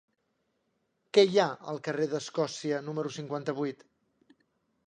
Què hi ha al carrer d'Escòcia número cinquanta-vuit?